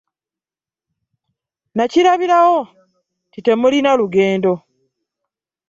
Nakirabirawo nti temulina lugendo.